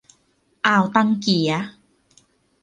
อ่าวตังเกี๋ย